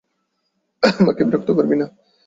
আমাকে বিরক্ত করবি না!